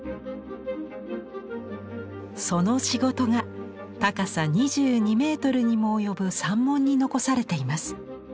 その仕事が高さ２２メートルにも及ぶ「三門」に残されています。